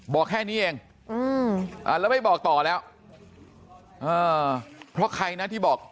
บอกแค่นี้เองอืมอ่าแล้วไม่บอกต่อแล้วอ่าเพราะใครนะที่บอก